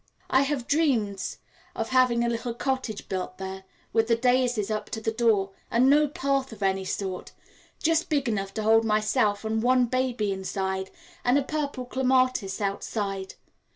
I have dreams of having a little cottage built there, with the daisies up to the door, and no path of any sort just big enough to hold myself and one baby inside and a purple clematis outside.